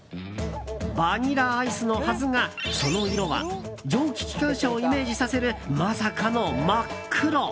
バニラアイスのはずがその色は蒸気機関車をイメージさせるまさかの真っ黒！